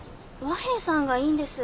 和平さんがいいんです。